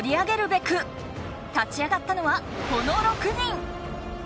立ち上がったのはこの６人！